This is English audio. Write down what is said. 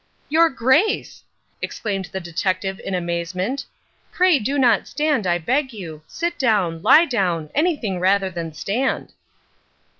"Your Grace!" exclaimed the detective in amazement—"pray do not stand, I beg you. Sit down, lie down, anything rather than stand."